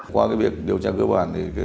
qua việc điều tra cơ bản thì